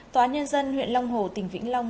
tòa nhân dân huyện long hồ tỉnh vĩnh long